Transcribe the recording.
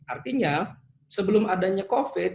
artinya sebelum adanya covid